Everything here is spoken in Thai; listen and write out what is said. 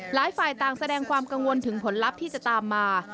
หลายฝ่ายต่างแสดงความกังวลถึงผลลัพธ์ที่จะตามมา